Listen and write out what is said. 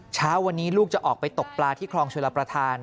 เช้าวันนี้ลูกจะออกไปตกปลาที่คลองชลประธาน